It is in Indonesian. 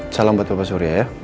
salam buat papa surya ya